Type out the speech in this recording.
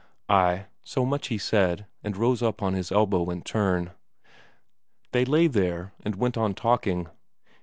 Ay, so much he said, and rose up on his elbow in turn. They lay there, and went on talking.